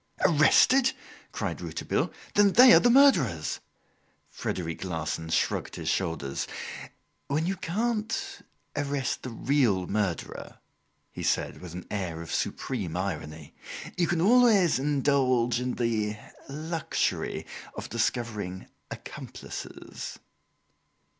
"Arrested!" cried Rouletabille; "then they are the murderers!" Frederic Larsan shrugged his shoulders. "When you can't arrest the real murderer," he said with an air of supreme irony, "you can always indulge in the luxury of discovering accomplices."